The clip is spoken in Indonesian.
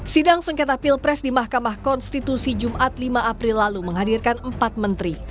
sidang sengketa pilpres di mahkamah konstitusi jumat lima april lalu menghadirkan empat menteri